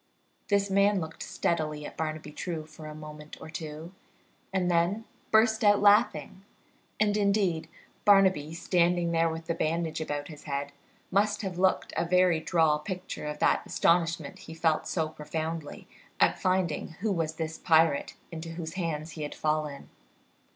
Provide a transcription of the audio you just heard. This man looked steadily at Barnaby True for a moment or two, and then burst out laughing; and, indeed, Barnaby, standing there with the bandage about his head, must have looked a very droll picture of that astonishment he felt so profoundly at finding who was this pirate into whose hands he had fallen.